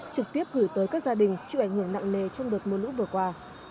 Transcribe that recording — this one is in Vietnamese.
trực tiếp gửi tới các gia đình chịu ảnh hưởng nặng nề trong đợt mưa lũ vừa qua